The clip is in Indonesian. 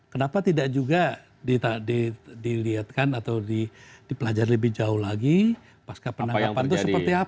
kenapa tidak juga dilihatkan atau dipelajari lebih jauh lagi pasca penangkapan itu seperti apa